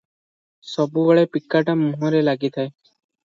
ସବୁବେଳେ ପିକାଟା ମୁହଁରେ ଲାଗିଥାଏ ।